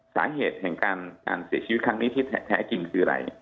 สาเหตุของการเสียชีวิตที่แท้จริงคืออะไร